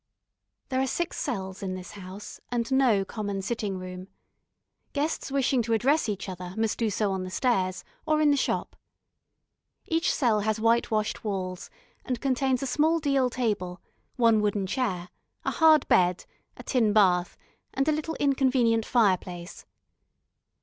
There are six cells in this house, and no common sitting room. Guests wishing to address each other must do so on the stairs, or in the shop. Each cell has whitewashed walls, and contains a small deal table, one wooden chair, a hard bed, a tin bath, and a little inconvenient fireplace.